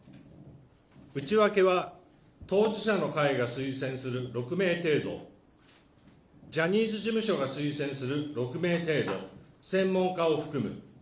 内訳は当事者の会が推薦する６名程度、ジャニーズ事務所が推薦する６名程度、専門家を含む。